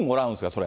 それ。